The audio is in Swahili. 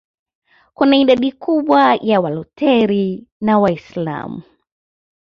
kuna idadi kubwa ya Walutheri na Waislamu